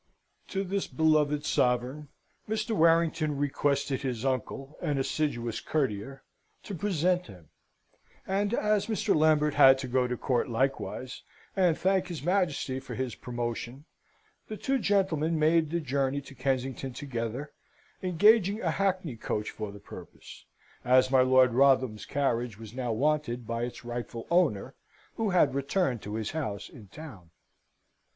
To this beloved Sovereign, Mr. Warrington requested his uncle, an assiduous courtier, to present him; and as Mr. Lambert had to go to court likewise, and thank his Majesty for his promotion, the two gentlemen made the journey to Kensington together, engaging a hackney coach for the purpose, as my Lord Wrotham's carriage was now wanted by its rightful owner, who had returned to his house in town.